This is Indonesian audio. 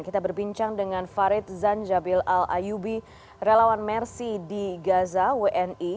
kita berbincang dengan farid zanjabil al ayubi relawan mersi di gaza wni